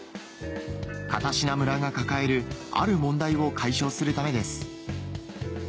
片品村が抱えるある問題を解消するためです